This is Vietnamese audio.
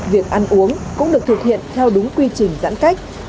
việc ăn uống cũng được thực hiện theo đúng quy trình giãn cách